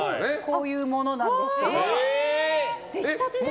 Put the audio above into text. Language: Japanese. こういうものなんですけど。